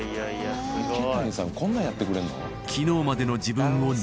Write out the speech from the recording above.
池谷さんこんなんやってくれるの？